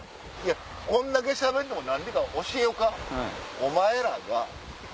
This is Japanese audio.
こんだけしゃべるのも何でか教えよか？